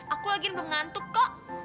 aku lagi pengantuk kok